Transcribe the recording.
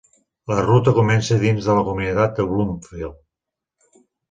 La ruta comença dins de la comunitat de Bloomfield.